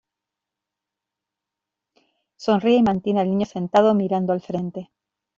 Sonríe y mantiene al niño sentado mirando al frente.